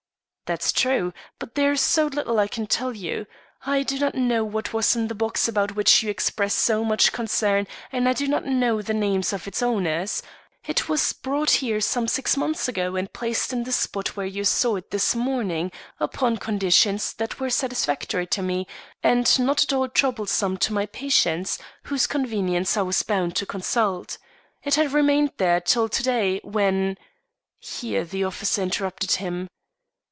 "That's true; but there is so little I can tell you. I do not know what was in the box about which you express so much concern, and I do not know the names of its owners. It was brought here some six months ago and placed in the spot where you saw it this morning, upon conditions that were satisfactory to me, and not at all troublesome to my patients, whose convenience I was bound to consult. It has remained there till to day, when " Here the officer interrupted him.